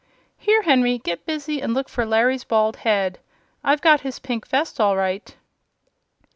Here, Henry, get busy and look for Larry's bald head. I've got his pink vest, all right."